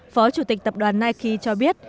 phó chủ tịch tập đoàn nike cho biết